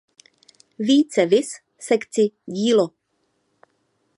Více viz sekci Dílo.